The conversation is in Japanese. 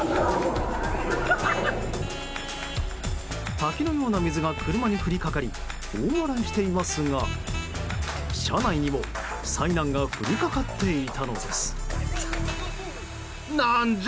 滝のような水が車に降りかかり大笑いしていますが車内にも災難が降りかかっていたのです。